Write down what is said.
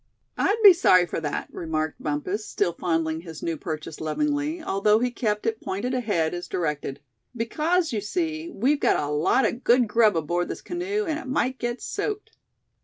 "I'd be sorry for that," remarked Bumpus, still fondling his new purchase lovingly, although he kept it pointed ahead, as directed; "because, you see, we've got a lot of good grub aboard this canoe, and it might get soaked."